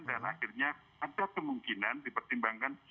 dan akhirnya ada kemungkinan dipertimbangkan